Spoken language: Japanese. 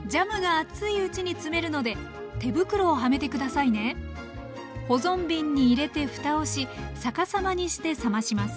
いよいよ瓶詰め保存瓶に入れてふたをし逆さまにして冷まします。